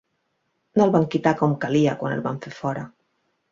No el van quitar com calia quan el van fer fora.